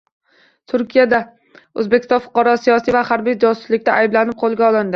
Turkiyada O‘zbekiston fuqarosi siyosiy va harbiy josuslikda ayblanib, qo‘lga olindi